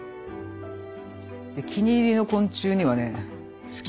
気に入りの昆虫にはね。